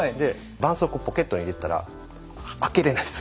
ばんそうこうをポケットに入れてたら開けれないです